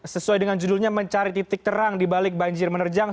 sesuai dengan judulnya mencari titik terang di balik banjir menerjang